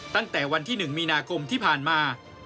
ตั้งแต่วันที่๑มีนาคมที่ผ่านมา